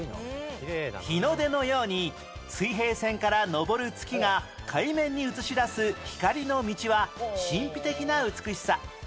日の出のように水平線から昇る月が海面に映し出す光の道は神秘的な美しさ